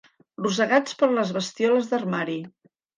Rosegats per les bestioles d'armari.